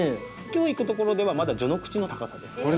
きょう行くところではまだ序の口の高さですから。